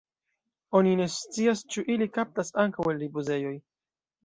Oni ne scias ĉu ili kaptas ankaŭ el ripozejoj.